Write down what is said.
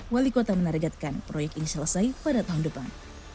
wali kota menargetkan proyek ini selesai pada tahun depan